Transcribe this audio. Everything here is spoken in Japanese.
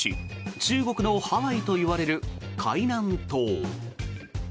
中国のハワイといわれる海南島。